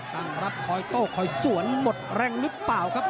ตั้งรับคอยโต้คอยสวนหมดแรงหรือเปล่าครับ